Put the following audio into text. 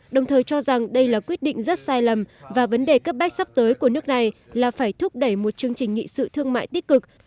đồng thời cho rằng đây là quyết định rất sai lầm và vấn đề cấp bách sắp tới của nước này là phải thúc đẩy một chương trình nghị sự thương mại tích cực